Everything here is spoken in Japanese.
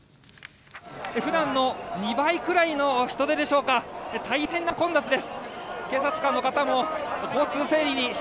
普段の２倍くらいの人でしょうか大変な混雑です。